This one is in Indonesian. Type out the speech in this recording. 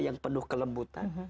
yang penuh kelembutan